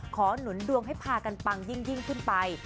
หนุนดวงให้พากันปังยิ่งขึ้นไป